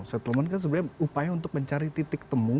settlement kan sebenarnya upaya untuk mencari titik temu